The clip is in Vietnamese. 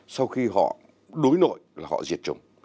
sau khi họ đối nội là họ diệt chủng